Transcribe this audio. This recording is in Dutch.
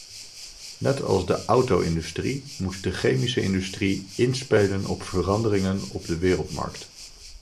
Net als de auto-industrie moet de chemische industrie inspelen op veranderingen op de wereldmarkt.